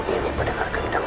ini berdengar geridang